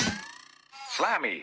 スラミー